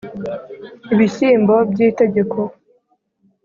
Ibishyimbo by'itegeko